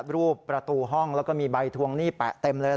รูปประตูห้องแล้วก็มีใบทวงหนี้แปะเต็มเลย